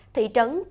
thị trường hà nam